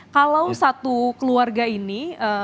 kalau satu keluarga ini